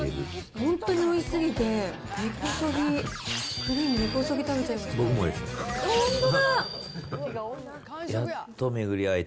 本当においしすぎて、根こそぎ、クリーム根こそぎ食べちゃいました。